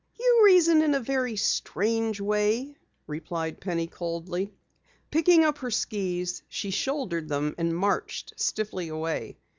"You reason in a very strange way," replied Penny coldly. Picking up her skis she shouldered them and marched stiffly away.